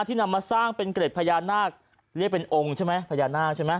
นำมาสร้างเป็นเกร็ดพญานาคเรียกเป็นองค์ใช่ไหมพญานาคใช่ไหม